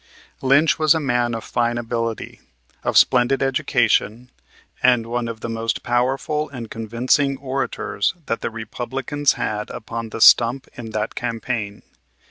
Lynch was a man of fine ability, of splendid education, and one of the most powerful and convincing orators that the Republicans had upon the stump in that campaign.